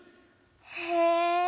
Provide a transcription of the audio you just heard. へえ。